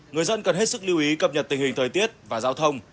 người dân cần hết sức lưu ý cập nhật tình hình thời tiết và giao thông